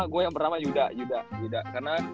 gue yang pertama yuda